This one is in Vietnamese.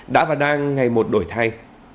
đã và đang ngày một đổi thay